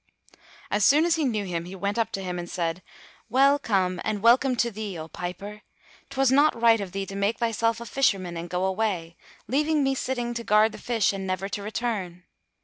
As soon as he knew him, he went up to him and said, "Well come, and welcome to thee, O piper! 'Twas not right of thee to make thyself a Fisherman and go away, leaving me sitting to guard the fish, and never to return!